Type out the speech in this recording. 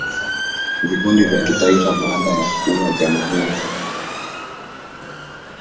vikundi vya kitaifa Baada ya kuwa jamhuri